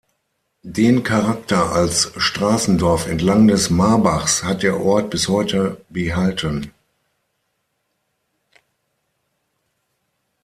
Den Charakter als Straßendorf entlang des Marbachs hat der Ort bis heute behalten.